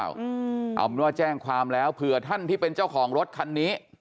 เอาเป็นว่าแจ้งความแล้วเผื่อท่านที่เป็นเจ้าของรถคันนี้